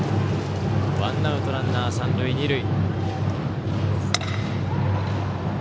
ワンアウトランナー、三塁二塁。